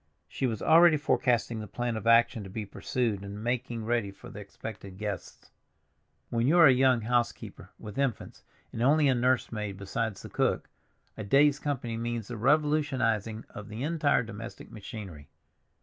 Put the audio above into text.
She was already forecasting the plan of action to be pursued in making ready for the expected guests. When you are a young housekeeper with infants and only a nurse maid besides the cook, a day's company means the revolutionizing of the entire domestic machinery.